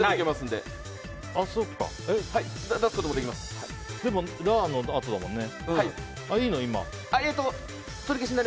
でもラーのあとだもんね。